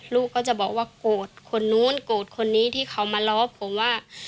ลูกก็จะบอกว่าโกรธคนนู้นโกรธคนนี้ที่เขามาล้อผมว่า